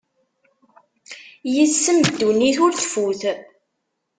Yes-m dunnit ur tfut.